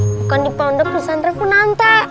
bukan di pondok pesantren kunanta